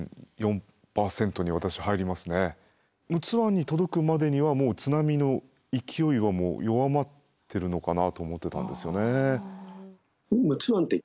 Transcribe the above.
陸奥湾に届くまでにはもう津波の勢いは弱まってるのかなと思ってたんですよね。